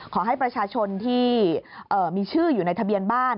ขอให้ประชาชนที่มีชื่ออยู่ในทะเบียนบ้าน